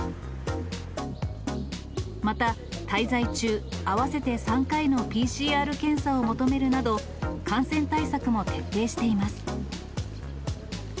また、滞在中、合わせて３回のＰＣＲ検査を求めるなど、感染対策も徹底しています。